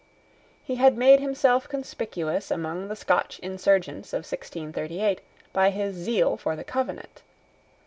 He had made himself conspicuous among the Scotch insurgents of 1638 by his zeal for the Covenant.